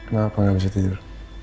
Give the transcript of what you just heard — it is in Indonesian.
kenapa gak bisa tidur